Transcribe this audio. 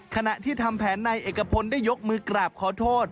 ขณะที่ทำแผนนายเอกพลได้ยกมือกราบขอโทษ